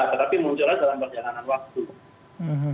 tetapi munculnya dalam perjalanan waktu